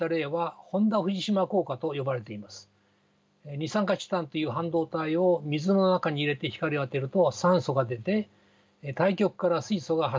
二酸化チタンという半導体を水の中に入れて光を当てると酸素が出て対極から水素が発生するのです。